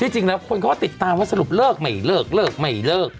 จริงนะคนเขาก็ติดตามว่าสรุปเลิกไม่เลิก